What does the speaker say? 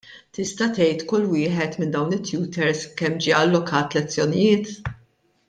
Tista' tgħid kull wieħed minn dawn it-tutors kemm ġie allokat lezzjonijiet?